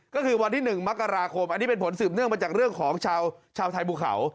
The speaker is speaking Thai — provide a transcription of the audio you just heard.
ก็คือวันที่๑มกราคมอันนี้เป็นผลสืบเนื่องมาจากเรื่องของชาวไทยภูเขา